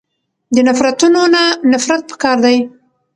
د نفرتونونه نفرت پکار دی.